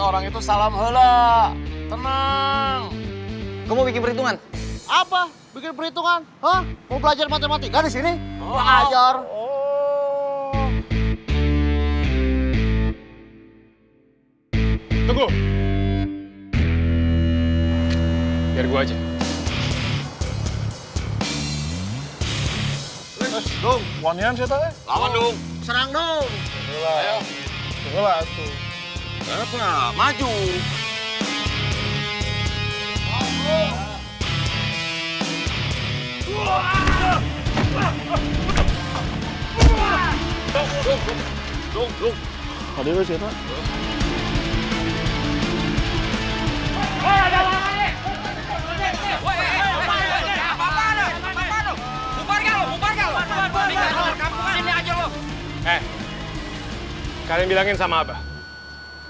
orang yang waktu gangguin saya waktu sama neng sri